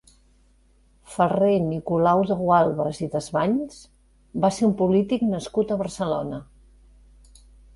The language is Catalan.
Ferrer Nicolau de Gualbes i Desvalls va ser un polític nascut a Barcelona.